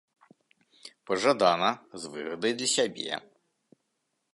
Пажадана, з выгадай для сябе.